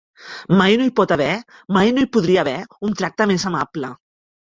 Mai no hi pot haver, mai no hi podria haver un tracte més amable.